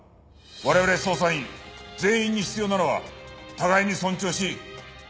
我々捜査員全員に必要なのは互いに尊重し助け合う事だ。